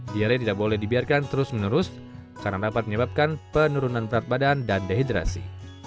diare tidak boleh dibiarkan terus menerus karena dapat menyebabkan penurunan berat badan dan dehidrasi